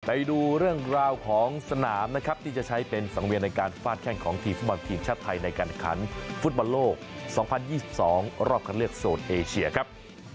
ไปดูเรื่องราวของสนามนะครับที่จะใช้เป็นสังเวียนในการฟาดแข้งของทีมฟุตบอลทีมชาติไทยในการขันฟุตบอลโลก๒๐๒๒รอบคันเลือกโซนเอเชียครับ